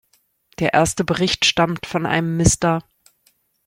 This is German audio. Der erste Bericht stammt von einem Mr.